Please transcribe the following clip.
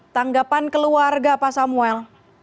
tanggapan keluarga pak samuel